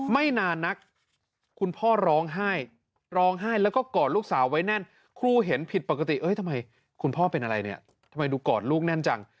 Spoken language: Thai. ไม่นานนักคุณพ่อร้องไห้ร้องไห้แล้วก็กอดลูกสาวไว้แน่นครูเห็นผิดปกติเอ้ยทำไมคุณพ่อเป็นอะไรเนี่ยทำไมดูกอดลูกแน่นจัง